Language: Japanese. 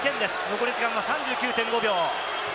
残り時間３９．５秒。